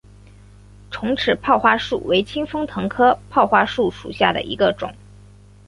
重齿泡花树为清风藤科泡花树属下的一个种。